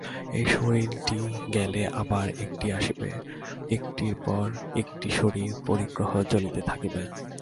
এই শরীরটি গেলে আবার একটি আসিবে, একটির পর একটি শরীর-পরিগ্রহ চলিতে থাকিবে।